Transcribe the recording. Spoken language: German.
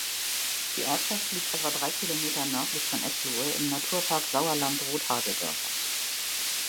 Die Ortschaft liegt etwa drei Kilometer nördlich von Eslohe im Naturpark Sauerland-Rothaargebirge.